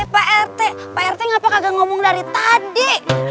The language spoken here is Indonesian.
pak rt pak rt kenapa kaget ngomong dari tadi